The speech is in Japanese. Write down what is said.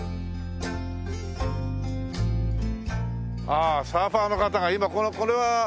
ああサーファーの方が今これは。